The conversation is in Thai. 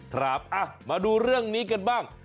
ครับมาดูเรื่องนี้กันบ้าง